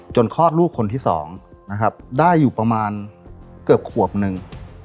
คลอดลูกคนที่สองนะครับได้อยู่ประมาณเกือบขวบหนึ่ง